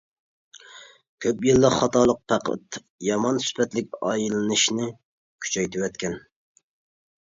كۆپ يىللىق خاتالىق پەقەت، يامان سۈپەتلىك ئايلىنىشنى كۈچەيتىۋەتكەن.